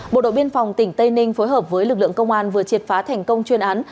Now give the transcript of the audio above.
bộ đội biên phòng tỉnh tây ninh phối hợp với lực lượng công an vừa triệt phá thành công chuyên án